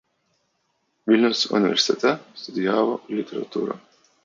Vilniaus universitete studijavo literatūrą.